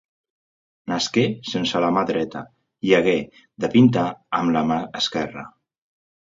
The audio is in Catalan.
Nasqué sense la mà dreta i hagué de pintar amb la mà esquerra.